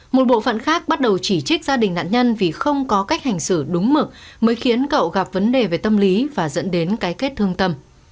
một bộ phận khác bắt đầu chỉ trích gia đình nạn nhân vì không có cách hành xử đúng mực mới khiến cậu gặp vấn đề về tâm lý và dẫn đến cái kết thương tâm